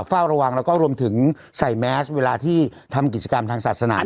เฝ้าระวังแล้วก็รวมถึงใส่แมสเวลาที่ทำกิจกรรมทางศาสนา